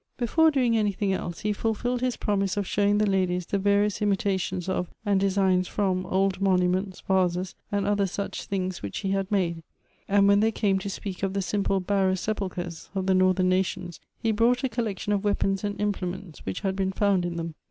Before doing anything else, he fulfilled his jiroinise of showing the ladies the various imitations of, and designs from, old monuments, vases, and other such things which he had made ; and when they came to speak of the sim ple barrow sepulchres of the northern nations, he brought a collection of weapons and implements wliich had been 162 Goethe's found in them.